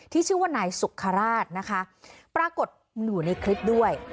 ชื่อว่านายสุขราชนะคะปรากฏอยู่ในคลิปด้วย